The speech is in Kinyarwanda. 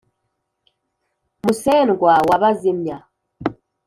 musendwa wa bazimya,